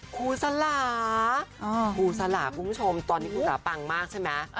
ครูสลาครูสลาคุณผู้ชมตอนนี้ครูจ๋าปังมากใช่ไหม